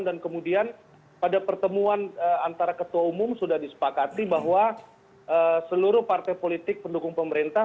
dan kemudian pada pertemuan antara ketua umum sudah disepakati bahwa seluruh partai politik pendukung pemerintah